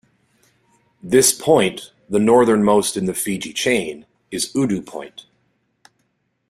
This point, the northernmost in the Fiji chain, is Udu Point.